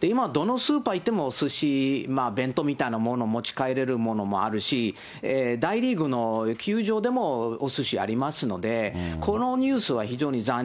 今、どのスーパー行っても、すし、弁当みたいなものを持ち帰れるものもありますし、大リーグの球場でもおすしありますので、このニュースは非常に残念。